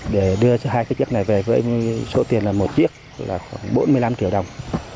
để đưa hai chiếc này về với số tiền là một chiếc khoảng bốn mươi năm triệu đồng